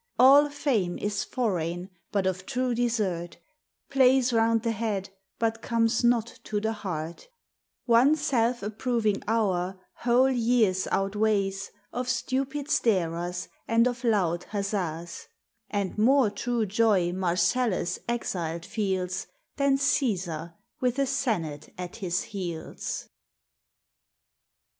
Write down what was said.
All fame is foreign, but of true desert ; Plays round the head, but comes not to the heart : One self approving hour whole years outweighs Of stupid starers and of loud huzzas ; And more true joy Marcellus exiled feels Than Caesar with a senate at his heels.